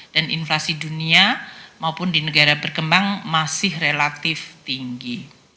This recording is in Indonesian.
dan inflasi dunia maupun di negara berkembang masih relatif tinggi